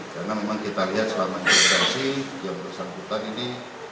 karena memang kita lihat selama generasi yang bersangkutan ini